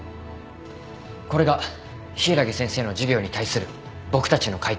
これが柊木先生の授業に対する僕たちの回答です。